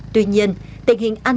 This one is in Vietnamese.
tuy nhiên tình hình an ninh